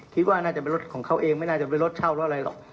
คิดว่าน่าจะเป็นรถของเขาเองไม่น่าจะเป็นรถเช่ารถอะไรหรอก